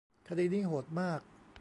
คดีนี้โหดมาก